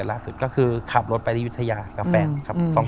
ดูแพง